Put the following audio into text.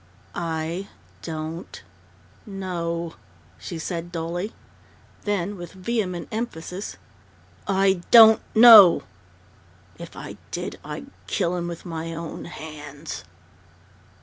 "I don't know," she said dully. Then, with vehement emphasis: "I don't know! If I did, I'd kill him with my own hands!"